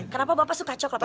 kenapa bapak suka coklat